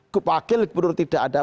kepakel gubernur tidak ada